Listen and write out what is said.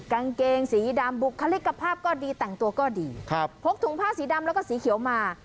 กางเกงสีดำบุคลิกภาพก็ดีแต่งตัวก็ดีครับพกถุงผ้าสีดำแล้วก็สีเขียวมา